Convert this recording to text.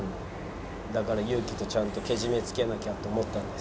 「だからユウキとちゃんとけじめつけなきゃと思ったんです」。